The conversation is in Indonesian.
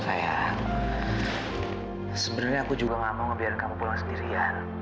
sayang sebenarnya aku juga nggak mau biar kamu pulang sendirian